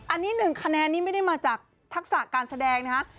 อันนี้๑คะแนนนี่ไม่ได้มาจากทักษะการแสดงนะฮะ